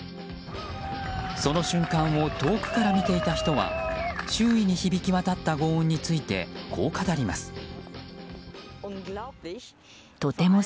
その瞬間を遠くから見ていた人は周囲に響き渡った轟音についてこう語ります。